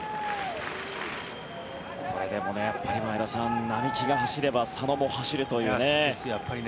これ、でも前田さん並木が走れば佐野も走るという。